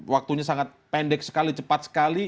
waktunya sangat pendek sekali cepat sekali